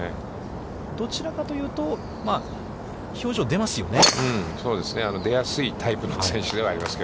どちらかというと、表情出ますよね。